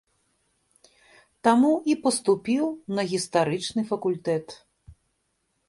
Таму і паступіў на гістарычны факультэт.